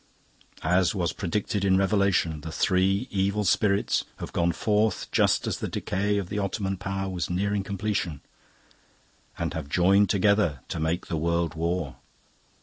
As was predicted in Revelation, the three evil spirits have gone forth just as the decay of the Ottoman power was nearing completion, and have joined together to make the world war.